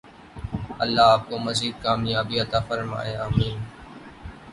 الله آپکو مزید کامیابیاں عطا فرمائے ۔آمین